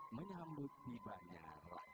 menyambut tibanya raja semarang